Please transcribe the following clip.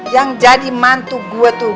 yang jadi mantu gue tuh